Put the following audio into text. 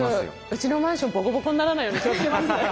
うちのマンションボコボコにならないように気をつけますね。